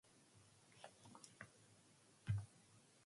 Saint Catherine's Hospital occupies a large site in Higher Tranmere.